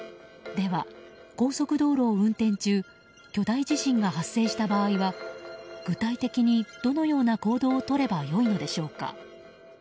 では、高速道路を運転中巨大地震が発生した場合は具体的にどのような行動をとればよいのでしょうか。